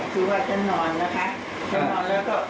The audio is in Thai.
คือว่าจะนอนนะคะจะนอนแล้วก็